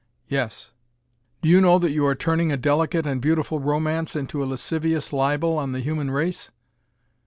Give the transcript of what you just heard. "Yes." "Do you know that you are turning a delicate and beautiful romance into a lascivious libel on the human race?"